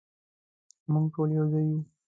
مونږ ټول یو ځای یو